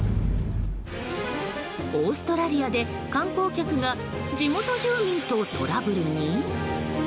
オーストラリアで観光客が地元住民とトラブルに？